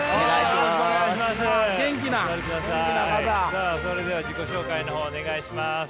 さあそれでは自己紹介の方お願いします。